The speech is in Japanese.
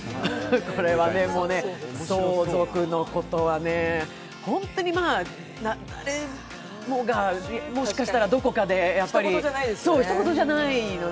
これはね、もう相続のことはね、本当に誰もがどこかでひと事じゃないのね。